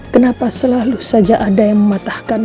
kenapa selalu saja ada yang mematahkan